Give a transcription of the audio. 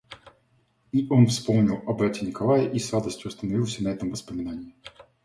И он вспомнил о брате Николае и с радостью остановился на этом воспоминании.